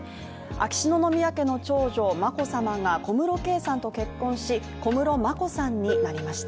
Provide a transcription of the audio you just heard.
秋篠宮家の長女・眞子さまが小室圭さんと結婚し、小室眞子さんになりました。